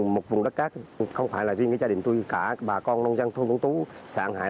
một vùng đất cát không phải là riêng gia đình tôi cả bà con nông dân thuận tuấn tú xã an hải